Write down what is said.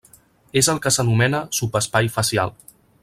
És el que s'anomena subespai facial.